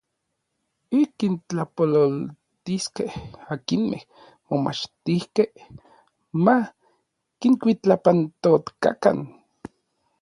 Ik kintlapololtiskej akinmej momachtijkej ma kinkuitlapantokakan.